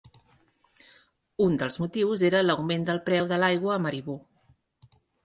Un dels motius era l"augment del preu de l"aigua a Maribo.